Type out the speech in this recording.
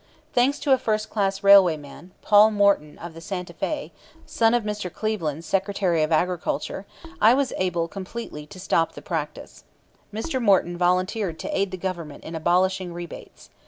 Thanks to a first class railway man, Paul Morton of the Santa Fe, son of Mr. Cleveland's Secretary of Agriculture, I was able completely to stop the practice. Mr. Morton volunteered to aid the Government in abolishing rebates.